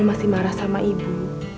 masih marah sama ibu